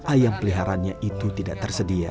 ayam peliharaannya itu tidak tersedia